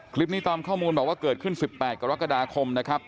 คลิปนี้ตามข้อมูลบอกว่าเกิดขึ้น๑๘กรกฎาคมนะครับ